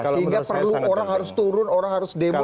sehingga perlu orang harus turun orang harus demo